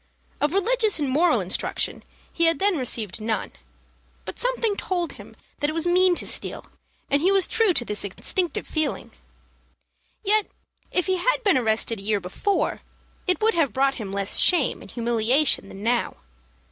Of religious and moral instruction he had then received none; but something told him that it was mean to steal, and he was true to this instinctive feeling. Yet, if he had been arrested a year before, it would have brought him less shame and humiliation than now.